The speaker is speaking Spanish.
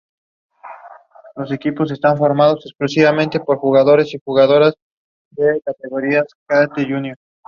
La zona de Murray fue conocida como South Cottonwood.